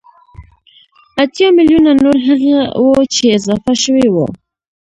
اتيا ميليونه نور هغه وو چې اضافه شوي وو